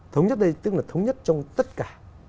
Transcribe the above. thống nhất đây tức là thống nhất trong tất cả